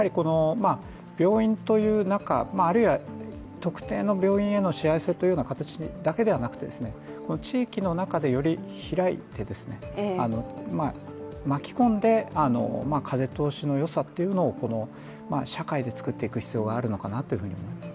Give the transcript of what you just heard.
病院という中、あるいは特定の病院へのしわ寄せという形だけではなくて、地域の中でより開いて、巻き込んで風通しの良さというのを社会で作っていく必要があるのかなと思います。